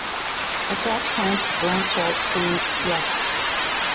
At that point, Blanchard screamed Yes!